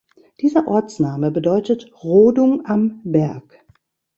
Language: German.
Dieser Ortsname bedeutet "Rodung am Berg".